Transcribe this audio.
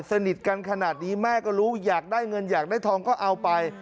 สนิทกันขนาดนี้แม่ก็รู้อยากได้เงินอยากได้ทองก็เอาไป